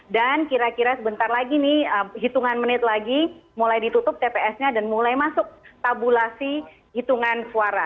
dan kira kira sebentar lagi nih hitungan menit lagi mulai ditutup tps nya dan mulai masuk tabulasi hitungan suara